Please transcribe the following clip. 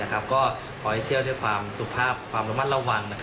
ก็ขอให้เที่ยวด้วยความสุภาพความระมัดระวัง